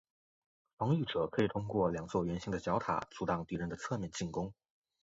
防御者可以通过两座圆形的角塔阻挡敌人的侧面进攻。